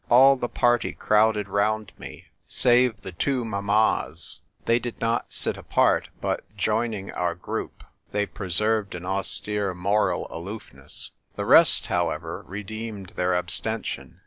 All the party crowded round me, save the two mammas ; they did not sit apart, but, joining our group, they preserved an austere moral aloofness. The rest, however, redeemed their abstention.